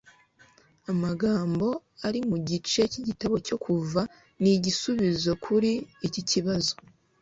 Amagambo ari mu gice cyigitabo cyo Kuva ni igisubizo kuri iki kibazo